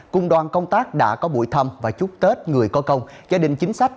cùng đoàn công tác đã có buổi thăm và chúc tết người có công gia đình chính sách